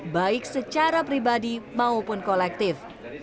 baik secara pribadi maupun kolektif